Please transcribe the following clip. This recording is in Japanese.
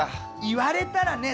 言われたらね